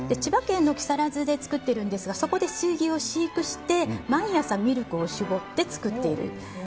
千葉県の木更津で作っているんですがそこで水牛を飼育して毎朝、ミルクを搾って作っている。